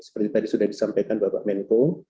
seperti tadi sudah disampaikan bapak menko